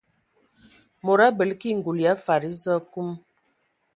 Mod abələ ki ngul ya fadi eza akum.